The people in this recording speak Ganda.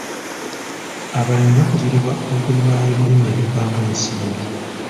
Abalimi bakubiribwa okulima ebirime ebivaamu ensimbi.